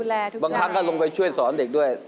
ดูแลทุกคนบางครั้งก็ลงไปช่วยสอนเด็กด้วย